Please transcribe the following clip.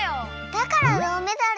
だからどうメダル。